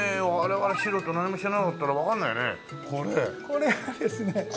これはですね。